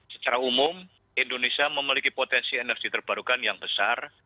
secara umum indonesia memiliki potensi energi terbarukan yang besar